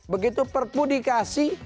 begitu perpu dikasih